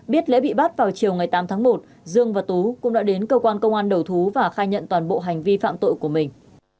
biết lễ bị bắt vào chiều ngày tám tháng một dương và tú cũng đã đến cơ quan công an đầu thú và khai nhận toàn bộ hành vi phạm tội của mình